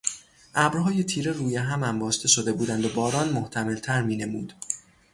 ابرهای تیره روی هم انباشته شده بودند و باران محتملتر مینمود.